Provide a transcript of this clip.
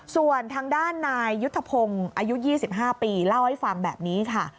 ส่วนทางด้านนายยุทธพงศ์อายุ๒๕ปีเล่าให้ฟังแบบนี้ค่ะ